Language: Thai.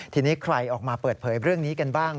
ทีนี้ใครออกมาเปิดเผยเรื่องนี้กันบ้าง